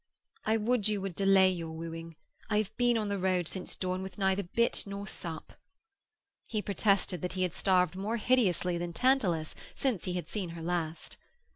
'I would you would delay your wooing. I have been on the road since dawn with neither bit nor sup.' He protested that he had starved more hideously than Tantalus since he had seen her last.